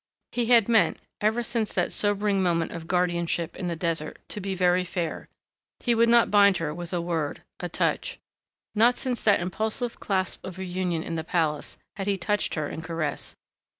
He had meant ever since that sobering moment of guardianship in the desert to be very fair. He would not bind her with a word, a touch. Not since that impulsive clasp of reunion in the palace had he touched her in caress.